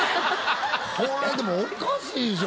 これでもおかしいでしょ。